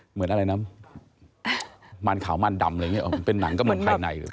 เหมือนอะไรนะมันขาวมันดำเป็นหนังกระมวลภายใน